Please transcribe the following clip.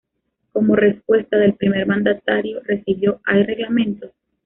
Como respuesta del primer mandatario recibió: ""¿Hay reglamentos?